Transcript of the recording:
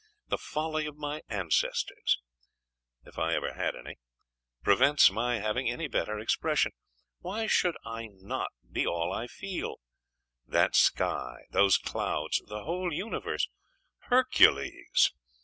The folly of my ancestors if I ever had any prevents my having any better expression.... Why should I not be all I feel that sky, those clouds the whole universe? Hercules!